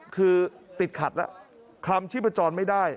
คือติดขัดแล้วคลำชีพจรไม่ได้